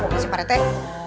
kok gak sih pak netes